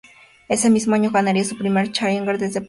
Ese mismo año ganaría su primer challenger en Dresde, Alemania.